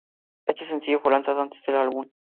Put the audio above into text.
Este sencillo fue lanzado antes del álbum.